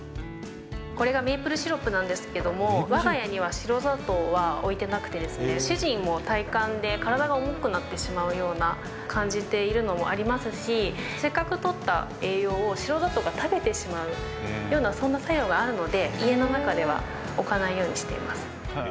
これがメープルシロップなんですけども、わが家には白砂糖は置いてなくてですね、主人も体感で体が重くなってしまうような感じているのもありますし、せっかくとった栄養を白砂糖が食べてしまう、そんな作用があるので、家の中では置かないようにしています。